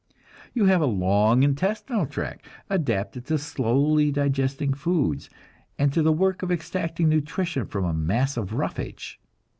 You have a long intestinal tract, adapted to slowly digesting foods, and to the work of extracting nutrition from a mass of roughage.